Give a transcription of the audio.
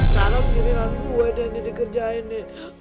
ntar lo begini dengan gue deh yang jadi dikerjain nih